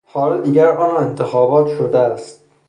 حالا دیگر آن انتخابات شده است.